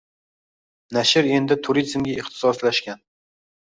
Nashr endi turizmga ixtisoslashgan